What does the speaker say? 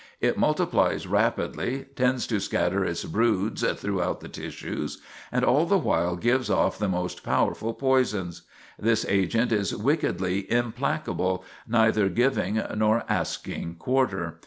It multiplies rapidly, tends to scatter its broods throughout the tissues, and all the while gives off the most powerful poisons. This agent is wickedly implacable, neither giving nor asking quarter.